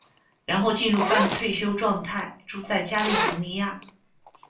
然后进入半退休状态，住在加利福尼亚。